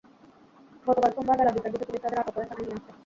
গতকাল সোমবার বেলা দুইটার দিকে পুলিশ তাঁদের আটক করে থানায় নিয়ে আসে।